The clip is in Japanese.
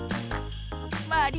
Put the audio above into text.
まり。